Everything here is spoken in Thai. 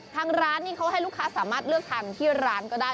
ทางร้านนี่เขาให้ลูกค้าสามารถเลือกทานที่ร้านก็ได้